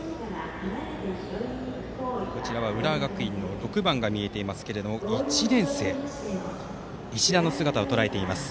浦和学院の６番が見えていますが、１年生の石田の姿もあります。